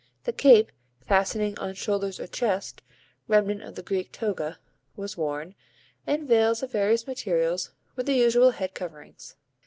The cape, fastening on shoulders or chest, remnant of the Greek toga, was worn, and veils of various materials were the usual head coverings.